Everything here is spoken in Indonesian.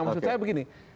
maksud saya begini